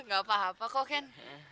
gak apa apa kok ken